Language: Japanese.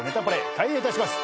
開演いたします。